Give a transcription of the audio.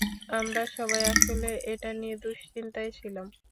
আমরা সবাই আসলে এটা নিয়ে দুঃশ্চিন্তায় ছিলাম।